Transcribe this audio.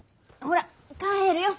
ほら帰るよ。